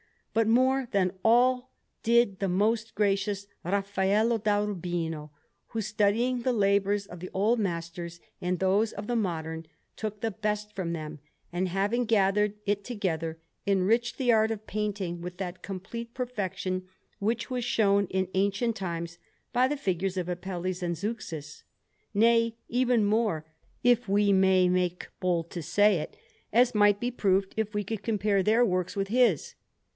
But more than all did the most gracious Raffaello da Urbino, who, studying the labours of the old masters and those of the modern, took the best from them, and, having gathered it together, enriched the art of painting with that complete perfection which was shown in ancient times by the figures of Apelles and Zeuxis; nay, even more, if we may make bold to say it, as might be proved if we could compare their works with his.